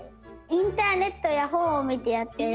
インターネットやほんをみてやってる。